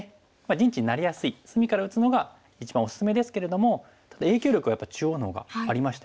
陣地になりやすい隅から打つのが一番おすすめですけれどもただ影響力はやっぱり中央の方がありましたよね。